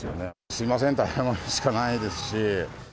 すみませんって謝るしかないですし。